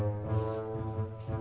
kamu juga suka